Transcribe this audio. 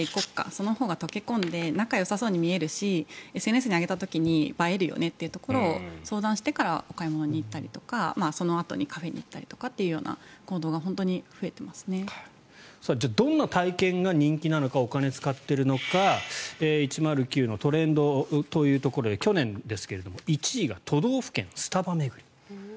そのほうが溶け込んで仲よさそうに見えるしＳＮＳに上げた時に映えるよねというところを相談してからお買い物に行ったり、そのあとにカフェに行ったりというじゃあ、どんな体験が人気なのかお金を使っているのか１０９のトレンドというところで去年ですが１位が都道府県スタバ巡り。